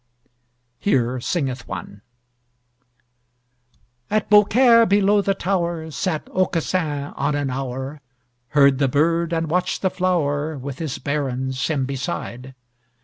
Here singeth one: At Beaucaire below the tower Sat Aucassin on an hour, Heard the bird, and watched the flower, With his barons him beside.